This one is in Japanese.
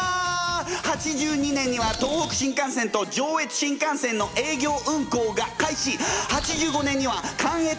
８２年には東北新幹線と上越新幹線の営業運行が開始！